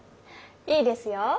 いいですよ。